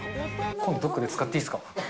今度どっかで使っていいですか？